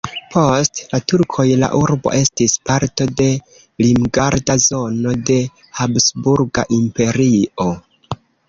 Post la turkoj la urbo estis parto de limgarda zono de Habsburga Imperio.